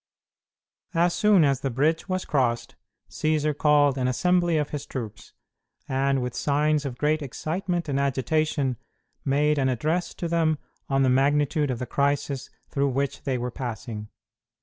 As soon as the bridge was crossed, Cćsar called an assembly of his troops, and, with signs of great excitement and agitation, made an address to them on the magnitude of the crisis through which they were passing.